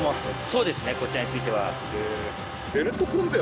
そうですねこちらについては。